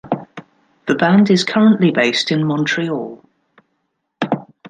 The band is currently based in Montreal.